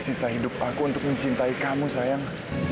sisa hidup aku untuk mencintai kamu sayang